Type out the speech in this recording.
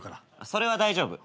それは大丈夫。